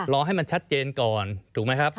รอให้มันชัดเจนก่อนถูกไหมครับ